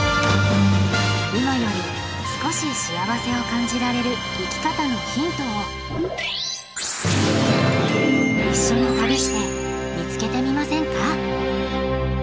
今より少し幸せを感じられる生き方のヒントを一緒に旅して見つけてみませんか？